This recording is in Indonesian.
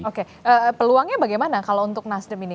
oke peluangnya bagaimana kalau untuk nasdem ini